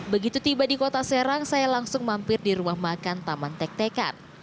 begitu tiba di kota serang saya langsung mampir di rumah makan taman tek tekan